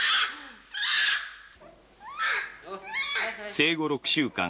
生後６週間。